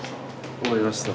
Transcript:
終わりました。